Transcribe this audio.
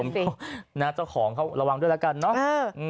คุณผู้ชมก็นัดเจ้าของเข้าระวังด้วยแล้วกันเนอะ